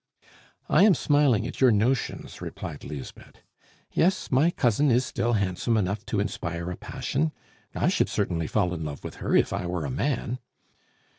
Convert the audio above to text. "I am smiling at your notions," replied Lisbeth. "Yes, my cousin is still handsome enough to inspire a passion. I should certainly fall in love with her if I were a man."